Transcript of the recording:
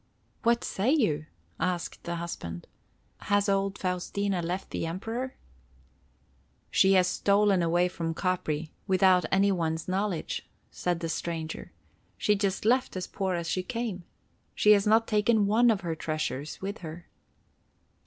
"What say you?" asked the husband. "Has old Faustina left the Emperor?" "She has stolen away from Capri without any one's knowledge," said the stranger. "She left just as poor as she came. She has not taken one of her treasures with her."